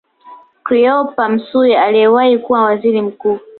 Cleopa Msuya aliyewahi kuwa Waziri Mkuu